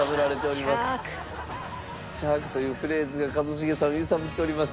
「小っちゃく」というフレーズが一茂さんを揺さぶっております。